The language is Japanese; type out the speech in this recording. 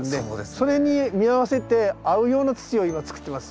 それに見合わせて合うような土を今つくってます。